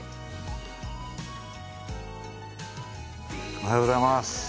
おはようございます。